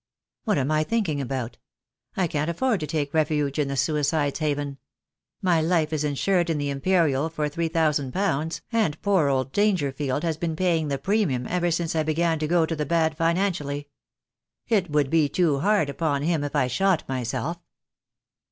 "What am I thinking about? I can't afford to take refuge in the suicide's haven. My life is insured in the Imperial for ^3,000, and poor old Dangerfield has been paying the premium ever since I began to go to the bad financially. It would be too hard upon him if I shot myself."